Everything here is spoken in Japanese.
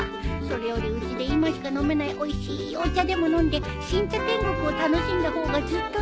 それよりうちで今しか飲めないおいしいお茶でも飲んで新茶天国を楽しんだ方がずっといいよ。